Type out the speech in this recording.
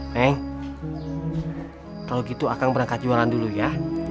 neng kalau gitu akang berangkat jualan dulu ya